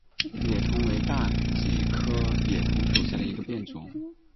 野桐为大戟科野桐属下的一个变种。